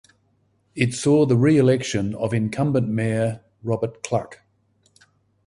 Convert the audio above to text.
It saw the reelection of incumbent mayor Robert Cluck.